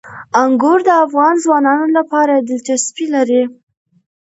انګور د افغان ځوانانو لپاره دلچسپي لري.